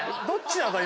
どっちだ？